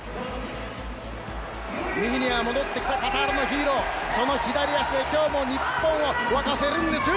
右には戻ってきたカタールのヒーローその左足が今日も日本を沸かせるんです！